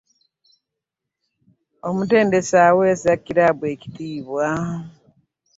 Omutendesi aweesa kiraabu ekitiibwa.